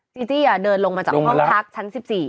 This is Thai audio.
จีจี้เดินลงมาจากห้องพักชั้น๑๔